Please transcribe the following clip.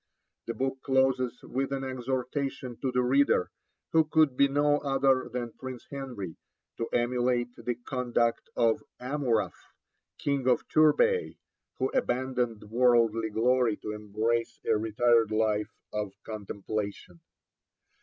The book closes with an exhortation to the reader, who could be no other than Prince Henry, to emulate the conduct of Amurath, King of Turbay, who abandoned worldly glory to embrace a retired life of contemplation.